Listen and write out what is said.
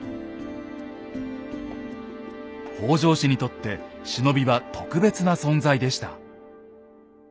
北条氏にとって忍びは特別な存在でした。